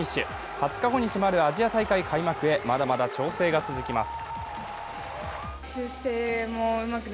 ２０日後に迫るアジア大会開幕へまだまだ調整が続きます。